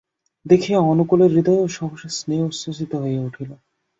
দেখিয়া অনুকূলের হৃদয়েও সহসা স্নেহ উচ্ছ্বসিত হইয়া উঠিল।